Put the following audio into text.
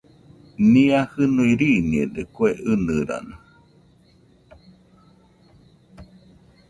Nia jinui riiñede kue ɨnɨrano